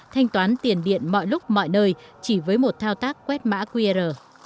thanh toán tiền điện mọi lúc mọi nơi chỉ với một thao tác quét mã qr